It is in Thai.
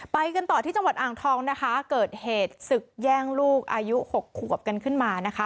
ไปกันต่อที่จังหวัดอ่างทองนะคะเกิดเหตุศึกแย่งลูกอายุหกขวบกันขึ้นมานะคะ